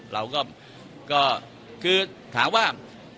เราก็คือถามว่า